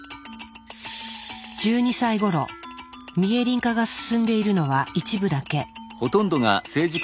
１２歳ごろミエリン化が進んでいるのは一部だけ。